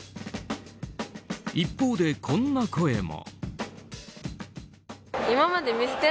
一方でこんな声も。